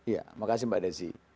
ya makasih mbak desi